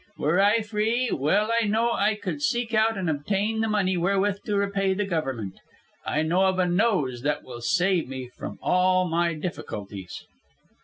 Were I free, well I know I could seek out and obtain the money wherewith to repay the Government. I know of a nose that will save me from all my difficulties."